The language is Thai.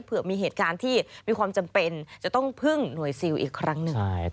เผื่อมีเหตุการณ์ที่มีความจำเป็นจะต้องพึ่งหน่วยซิลอีกครั้งหนึ่ง